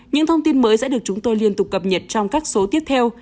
những thông tin mới sẽ được chúng tôi liên tục cập nhật trong các số tiếp theo